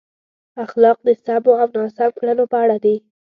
اخلاق د سمو او ناسم کړنو په اړه دي.